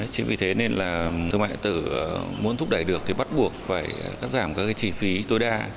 chính vì thế nên là thương mại điện tử muốn thúc đẩy được thì bắt buộc phải cắt giảm các chi phí tối đa